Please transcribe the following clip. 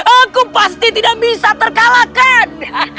aku pasti tidak bisa terkalahkan